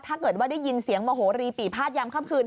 ถ้าเกิดว่าได้ยินเสียงโมโหรีปีภาษยามค่ำคืน